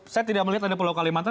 saya tidak melihat ada pulau kalimantan